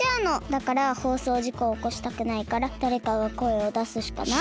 だからほうそうじこをおこしたくないからだれかがこえをだすしかない。